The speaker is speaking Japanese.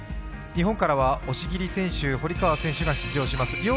日本からは押切選手、堀川選手が出場します。